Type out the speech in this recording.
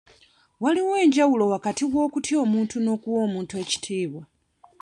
Waliwo enjawulo wakati w'okutya omuntu n'okuwa omuntu ekitiibwa.